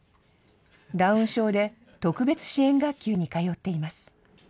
ダウン症で特別支援学級に通っています。